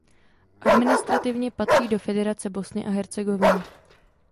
Administrativně patří do Federace Bosny a Hercegoviny.